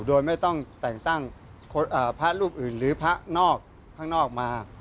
โดยไม่ต้องแต่งตั้งพระรูปอื่นหรือพระนอกข้างนอกมา